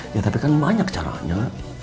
ya tapi kan banyak caranya